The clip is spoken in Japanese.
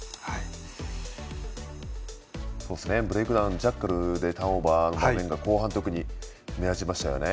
ブレイクダウンジャッカルでターンオーバーの場面が後半、特に目立ちましたよね。